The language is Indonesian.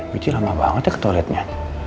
kecil lama banget ya ke toiletnya